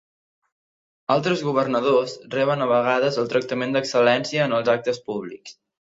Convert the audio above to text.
Altres governadors reben a vegades el tractament d' Excel·lència en els actes públics.